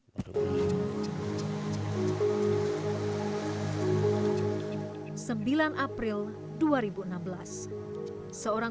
saatnya ia punerdanya registered